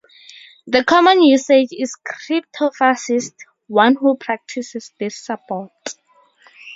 The common usage is "crypto-fascist", one who practices this support.